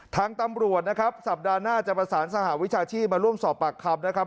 ทางตำรวจนะครับสัปดาห์หน้าจะประสานสหวิชาชีพมาร่วมสอบปากคำนะครับ